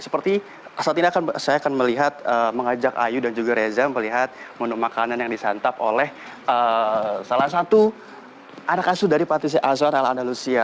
seperti saat ini saya akan melihat mengajak ayu dan juga reza melihat menu makanan yang disantap oleh salah satu anak asuh dari patisi azwar ala andalusia